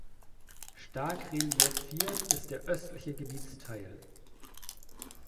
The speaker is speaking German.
Stark reliefiert ist der östliche Gebietsteil.